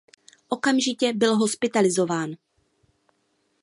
Okamžitě byl hospitalizován.